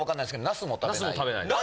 ナスも食べないです。